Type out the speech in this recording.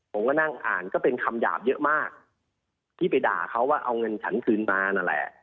ผมก็นั่งอ่านก็เป็นคำหยาบเยอะมากที่ไปด่าเขาว่าเอาเงินฉันคืนมานั่นแหละ